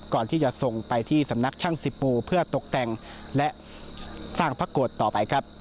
ก่อนที่จะส่งไปที่สำนักช่างสิบปูเพื่อตกแต่งและสร้างพระโกรธต่อไปครับ